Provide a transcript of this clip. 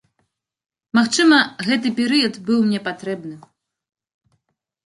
Магчыма, гэты перыяд быў мне патрэбны.